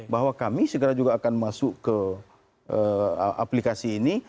bahwa kami segera juga akan masuk ke aplikasi ini